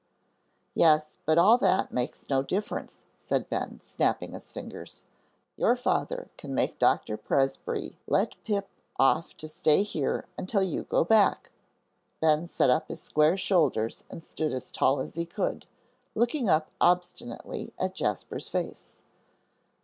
"Yes, but all that makes no difference," said Ben, snapping his fingers. "Your father can make Doctor Presbrey let Pip off to stay here until you go back." Ben set up his square shoulders and stood as tall as he could, looking up obstinately at Jasper's face.